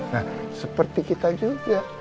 nah seperti kita juga